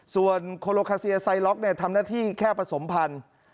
ส่วนโคโลคาเซียไซล็อกทำหน้าที่แค่ผสมพันธุ์